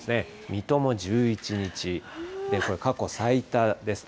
水戸も１１日、これ、過去最多です。